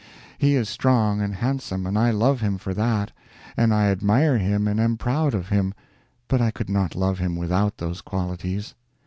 He is strong and handsome, and I love him for that, and I admire him and am proud of him, but I could love him without those qualities.